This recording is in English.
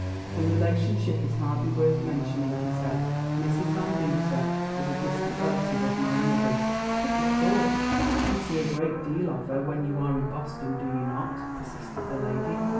"The relationship is hardly worth mentioning," he said. "Mrs. Van Duser was a distant relative of my mother's." "But of course you see a great deal of her when you are in Boston; do you not?" persisted the lady.